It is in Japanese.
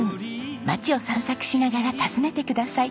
町を散策しながら訪ねてください。